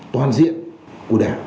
toàn diện của đảng